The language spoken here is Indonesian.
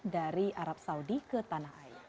dari arab saudi ke tanah air